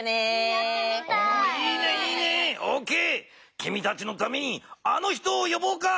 きみたちのためにあの人をよぼうか。